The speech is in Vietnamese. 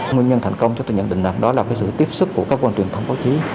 nguyên nhân thành công cho tôi nhận định là đó là cái sự tiếp xúc của các cơ quan truyền thông báo chí